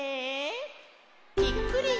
ぴっくり！